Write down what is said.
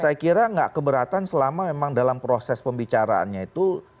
saya kira nggak keberatan selama memang dalam proses pembicaraannya itu